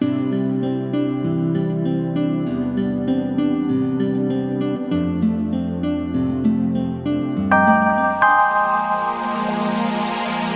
kalau nganterin aja